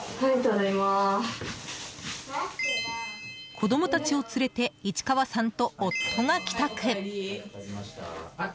子供たちを連れて市川さんと夫が帰宅。